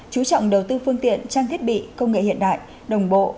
chú trọng đầu tư phương tiện trang thiết bị công nghệ hiện đại đồng bộ